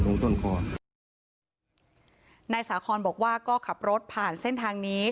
ต้นคอนายสาคอนบอกว่าก็ขับรถผ่านเส้นทางนี้